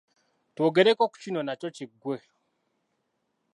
Twogereko ku kino nakyo kiggwe.